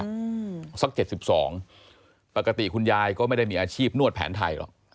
แล้วก็๗๒ปกติคุณยายก็ไม่ได้มีอาชีพนวดแผนไทยหรอก